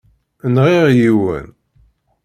Nɣiɣ yiwen.